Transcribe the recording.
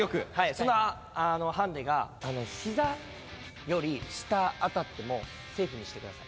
そのハンデがひざより下当たってもセーフにしてください。